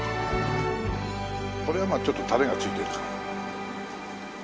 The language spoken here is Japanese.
これはまあちょっとタレがついてるから。